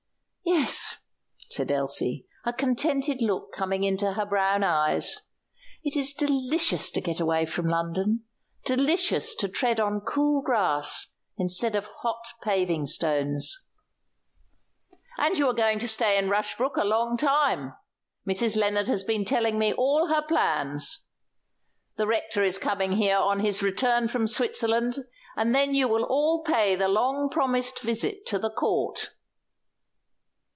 "Yes," said Elsie, a contented look coming into her brown eyes. "It is delicious to get away from London, delicious to tread on cool grass instead of hot paving stones." "And you are going to stay in Rushbrook a long time. Mrs. Lennard has been telling me all her plans. The rector is coming here on his return from Switzerland, and then you will all pay the long promised visit to the Court."